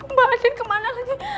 mbak adin kemana lagi